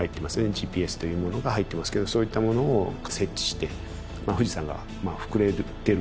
ＧＰＳというものが入ってますけどそういったものを設置して。